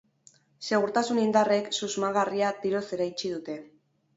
Segurtasun indarrek susmagarria tiroz eraitsi dute.